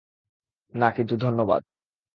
না, কিন্তু ধন্যবাদ।